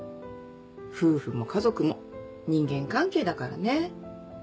夫婦も家族も人間関係だからね。